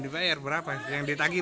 saya double dua kali